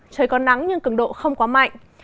trời còn nắng nhưng cường độ không quá mạnh